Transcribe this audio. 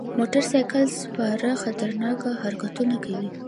موټر سایکل سپاره خطرناک حرکتونه کوي.